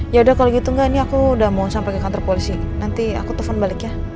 ya udah kalau gitu nggak ini aku udah mau sampai ke kantor polisi nanti aku telfon balik ya